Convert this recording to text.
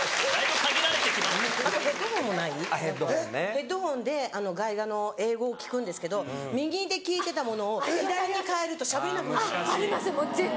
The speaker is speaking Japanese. ヘッドホンで外画の英語を聞くんですけど右で聞いてたものを左に変えるとしゃべれなくなっちゃう。あります！